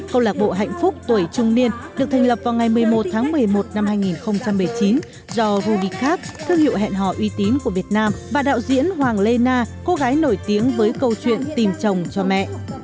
câu lạc bộ hạnh phúc tuổi trung niên được thành lập vào ngày một mươi một tháng một mươi một năm hai nghìn một mươi chín do ruby capp thương hiệu hẹn hò uy tín của việt nam và đạo diễn hoàng lê na cô gái nổi tiếng với câu chuyện tìm chồng cho mẹ